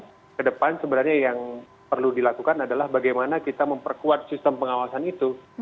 dan ke depan sebenarnya yang perlu dilakukan adalah bagaimana kita memperkuat sistem pengawasan itu